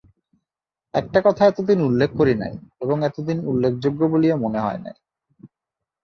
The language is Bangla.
একটা কথা এতদিন উল্লেখ করি নাই এবং এতদিন উল্লেখযোগ্য বলিয়া মনে হয় নাই।